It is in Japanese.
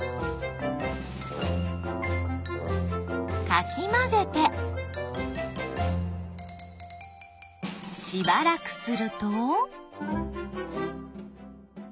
かきまぜてしばらくすると。